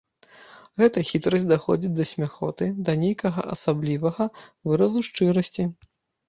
Гэта хітрасць даходзіць да смяхоты, да нейкага асаблівага выразу шчырасці.